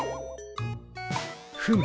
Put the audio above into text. フム。